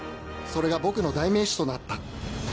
それが僕の代名詞となった